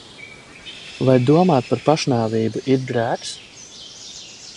Vai domāt par pašnāvību ir grēks?